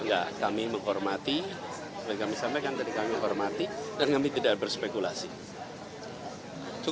mas anies terkait dengan komposisi m k ini kan para pakar sudah mulai mengeluarkan prediksi prediksinya